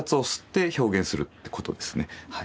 はい。